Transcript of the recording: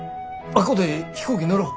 あっこで飛行機乗ろ。